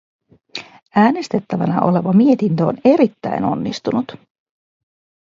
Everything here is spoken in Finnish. Äänestettävänä oleva mietintö on erittäin onnistunut.